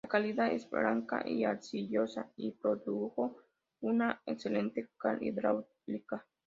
La caliza es blanca y arcillosa, y produjo una excelente cal hidráulica.